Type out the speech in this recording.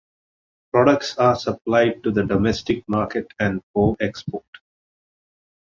Products are supplied to the domestic market and for export.